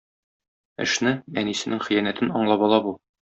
Эшне, әнисенең хыянәтен аңлап ала бу.